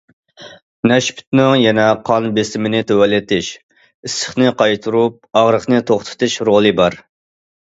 نەشپۈتنىڭ يەنە قان بېسىمىنى تۆۋەنلىتىش، ئىسسىقنى قايتۇرۇپ ئاغرىقنى توختىتىش رولى بار.